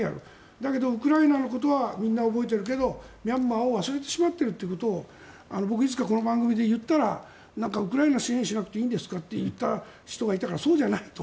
だけど、ウクライナのことはみんな覚えているけどミャンマーを忘れてしまっているということを僕、いつかこの番組で言ったらウクライナ支援しなくていいんですかと言った人がいたからそうじゃないと。